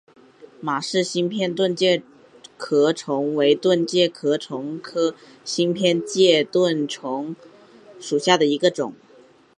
马氏新片盾介壳虫为盾介壳虫科新片盾介壳虫属下的一个种。